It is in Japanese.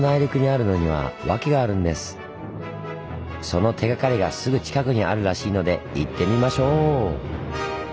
その手がかりがすぐ近くにあるらしいので行ってみましょう！